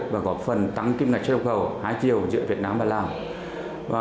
và góp phần tăng kim ngạch xuất nhập khẩu hai triệu giữa việt nam và lào